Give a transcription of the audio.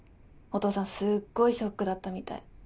お父さんすっごいショックだったみたい。